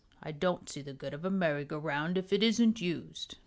I don't see the good of a merry go round if it isn't used."